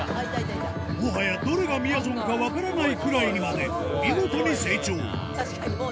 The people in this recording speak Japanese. もはやどれがみやぞんか分からないくらいにまで見事に成長